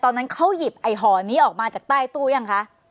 ตอนนั้นเขาหยิบไอ้ห่อนี้ออกมาจากใต้ตู้ยังคะ